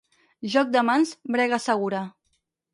Joc de mans, brega segura.